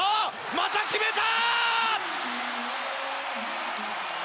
また決めた！